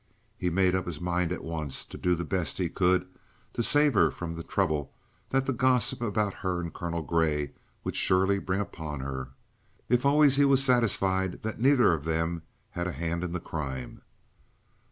He made up his mind at once to do the best he could to save her from the trouble that the gossip about her and Colonel Grey would surely bring upon her if always he were satisfied that neither of them had a hand in the crime.